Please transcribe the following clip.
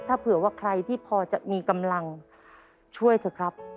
ถ้าเผื่อว่าใครที่พอจะมีกำลังช่วยเถอะครับ